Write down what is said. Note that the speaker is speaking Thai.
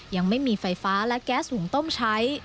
ยังไม่มีไฟฟ้าและแก๊สหุงต้มใช้